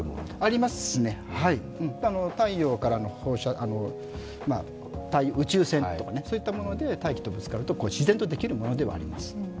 ありますね、太陽からの宇宙線とか、そういったもので大気とぶつかると自然とできるものではあります。